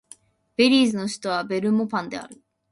ベリーズの首都はベルモパンである